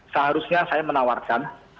seharusnya saya menawarkan